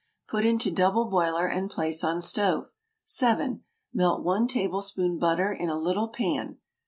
Put into double boiler and place on stove. 7. Melt 1 tablespoon butter in a little pan.